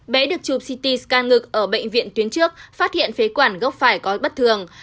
bé được chụp ct sky ngực ở bệnh viện tuyến trước phát hiện phế quản gốc phải cói bất thường